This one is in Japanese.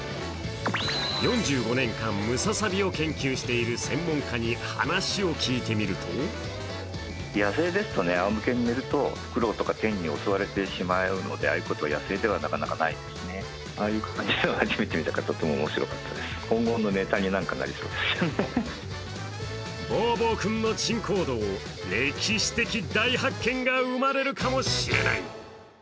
４５年間ムササビを研究している専門家に話を聞いてみるとボーボー君の珍行動、歴史的大発見が生まれるかもしれない。